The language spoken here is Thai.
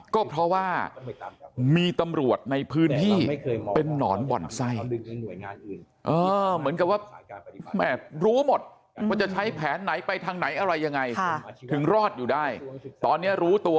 ก็เพราะว่ามีตำรวจในพื้นที่เป็นนอนบ่อนไส้เหมือนกับว่ารู้หมดว่าจะใช้แผนไหนไปทางไหนอะไรยังไงถึงรอดอยู่ได้